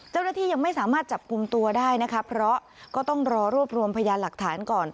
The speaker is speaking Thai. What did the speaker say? เจ้าหน้าที่ยังไม่สามารถจับกลุ่มตัวได้นะคะเพราะก็ต้องรอรวบรวมพยานหลักฐานก่อน